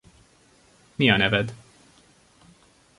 Mi a neved?